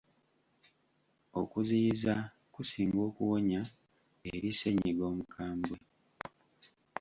Okuziyiza kusinga okuwonya eri ssenyiga omukambwe.